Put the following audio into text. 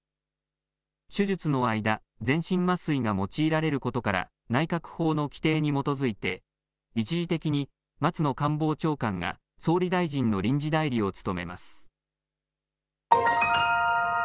手術の間、全身麻酔が用いられることから内閣法の規定に基づいて一時的に松野官房長官が総理大臣の臨時代理を務めます。